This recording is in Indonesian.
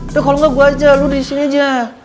udah kalau enggak gue aja lo di sini aja